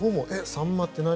サンマって何？